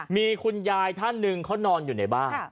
มีคุณยายท่านหนึ่งเขานอนอยู่ในบ้าน